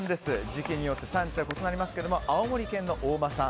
時期によって産地は異なりますが、青森県の大間産。